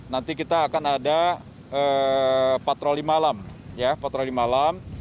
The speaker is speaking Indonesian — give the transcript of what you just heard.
nanti kita akan ada patroli malam